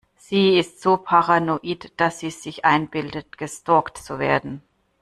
Sie ist so paranoid, dass sie sich einbildet, gestalkt zu werden.